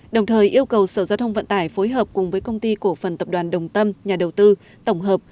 đồng thời yêu cầu sở giao thông vận tải phối hợp cùng với công ty cổ phần tập đoàn đồng tâm nhà đầu tư tổng hợp